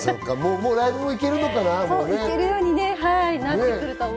もうライブも行けるのかな？